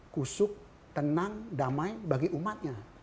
kusuk tenang damai bagi umatnya